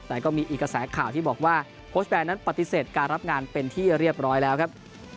แต่ก็มีอีกกระแสข่าวที่บอกว่าโค้ชแบนนั้นปฏิเสธการรับงานเป็นที่เรียบร้อยแล้วครับ